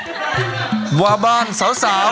พ่มโผออกมาจากฉาก